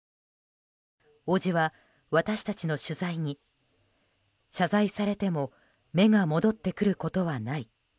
叔父は、私たちの取材に謝罪されても目が戻ってくることはない。